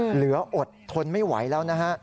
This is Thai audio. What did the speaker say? เหลืออดทนไม่ไหวแล้วนะฮะ